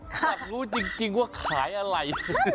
อยากรู้จริงว่าขายอะไร